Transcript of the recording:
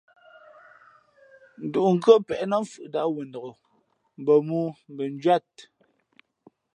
Ndǔʼ nkhʉ́ά pěʼ nά mfhʉʼnāt wenok, mbα mōō mbα njwíat.